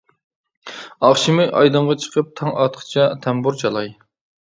ئاخشىمى ئايدىڭغا چىقىپ، تاڭ ئاتقىچە تەمبۇر چالاي.